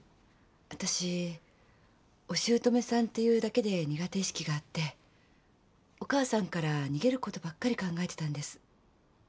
私お姑さんっていうだけで苦手意識があってお母さんから逃げることばっかり考えてたんです。